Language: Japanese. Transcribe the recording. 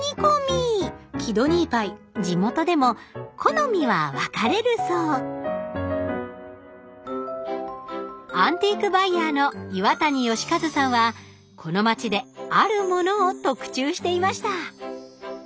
地元でも好みは分かれるそうアンティークバイヤーの岩谷好和さんはこの街であるモノを特注していました。